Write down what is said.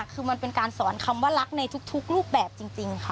คือมันเป็นการสอนคำว่ารักในทุกรูปแบบจริงค่ะ